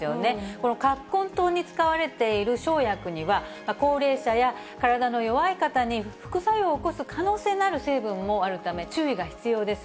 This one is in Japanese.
この葛根湯に使われている生薬には、高齢者や体の弱い方に副作用を起こす可能性のある成分もあるため、注意が必要です。